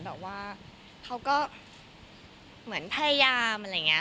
แบบว่าเขาก็เหมือนพยายามอะไรอย่างนี้